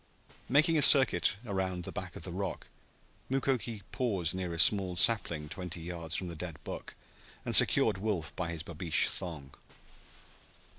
Making a circuit around the back of the rock, Mukoki paused near a small sapling twenty yards from the dead buck and secured Wolf by his babeesh thong.